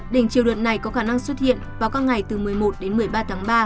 đỉnh chiều đợt này có khả năng xuất hiện vào các ngày từ một mươi một đến một mươi ba tháng ba